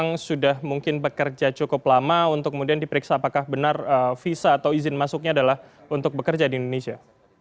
yang sudah mungkin bekerja cukup lama untuk kemudian diperiksa apakah benar visa atau izin masuknya adalah untuk bekerja di indonesia